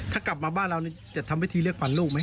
ถ้ากลับมาบ้านเร็วจะทำให้ทีเรียกฝันลูกไหม